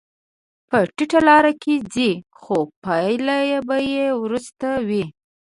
په ټیټه لار کې ځې، خو پایله به درسته وي.